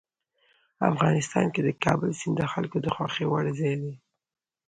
افغانستان کې د کابل سیند د خلکو د خوښې وړ ځای دی.